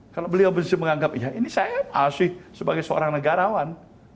kalau beliau bersih menganggap ya ini saya masih sebagai seorang negarawan